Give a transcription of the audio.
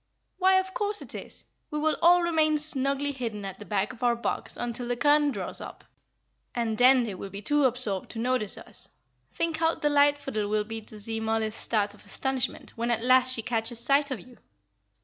"Why, of course it is. We will all remain snugly hidden at the back of our box until the curtain draws up, and then they will be too absorbed to notice us. Think how delightful it will be to see Mollie's start of astonishment, when at last she catches sight of you!"